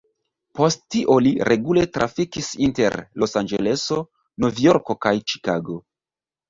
Post tio li regule trafikis inter Los-Anĝeleso, Novjorko kaj Ĉikago.